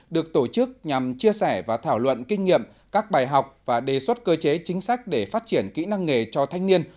được tổ chức nhằm chia sẻ và thảo luận kinh nghiệm các bài học và đề xuất cơ chế chính sách để phát triển kỹ năng nghề cho thanh niên